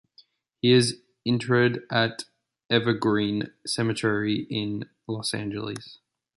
He is interred at Evergreen Cemetery in Los Angeles.